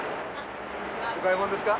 お買い物ですか？